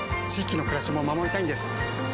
域の暮らしも守りたいんです。